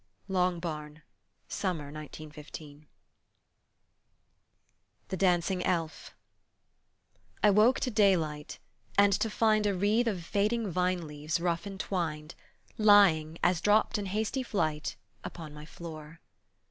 Long Barn Summer, 1915 THE DANCING ELF* I WOKE to daylight, and to find A wreath of fading vine leaves, rough entwined, Lying, as dropped in hasty flight, upon my floor.